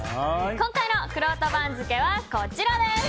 今回のくろうと番付はこちら。